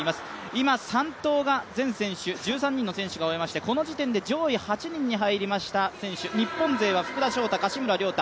今、３投を全１３選手が終えましてこの時点で上位８人に入りました選手、日本勢は福田、柏村亮太。